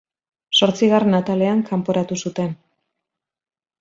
Zortzigarren atalean kanporatu zuten.